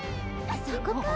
そこかー。